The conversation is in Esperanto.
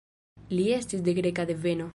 Li estis de greka deveno.